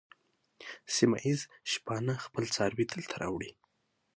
سیمه ییز شپانه خپل څاروي دلته راوړي.